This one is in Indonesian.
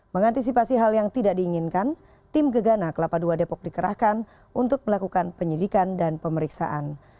mengantisipasi hal yang tidak diinginkan tim gegana kelapa dua depok dikerahkan untuk melakukan penyidikan dan pemeriksaan